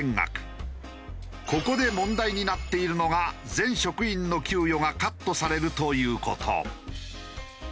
ここで問題になっているのが全職員の給与がカットされるという事。